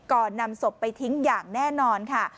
นำศพไปทิ้งอย่างแน่นอนค่ะ